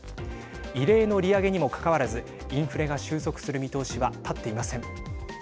異例の利上げにもかかわらずインフレが収束する見通しは立っていません。